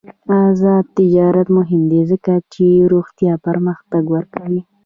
آزاد تجارت مهم دی ځکه چې روغتیا پرمختګ ورکوي.